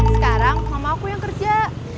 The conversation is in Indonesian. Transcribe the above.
sekarang mamah aku yang kerja